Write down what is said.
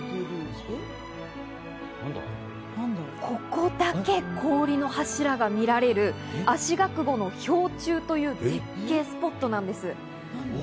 ここだけ、氷の柱が見られる、あしがくぼの氷柱という絶景スポットなんです。